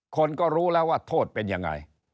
คนก็รู้แล้วว่าโทษเป็นยังไง